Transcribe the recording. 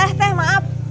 n pneghh teh maap